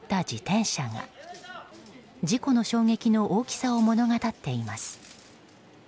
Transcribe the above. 事故の衝撃の大きさを物語っています。